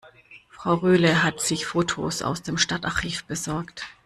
Frau Rühle hat sich Fotos aus dem Stadtarchiv besorgt.